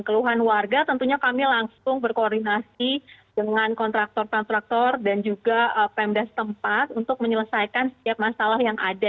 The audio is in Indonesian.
keluhan warga tentunya kami langsung berkoordinasi dengan kontraktor kontraktor dan juga pemdas tempat untuk menyelesaikan setiap masalah yang ada